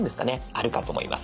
あるかと思います。